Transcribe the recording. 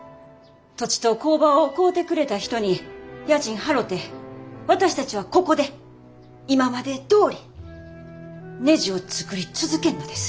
土地と工場を買うてくれた人に家賃払て私たちはここで今までどおりねじを作り続けんのです。